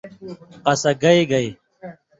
قصہ گئ گئ